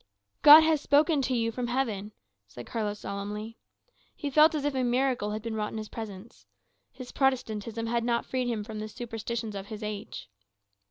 "God has spoken to you from heaven," said Carlos solemnly. He felt as if a miracle had been wrought in his presence. His Protestantism had not freed him from the superstitions of his age.